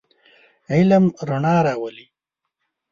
علم رڼا راولئ.